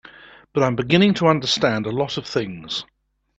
But I'm beginning to understand a lot of things.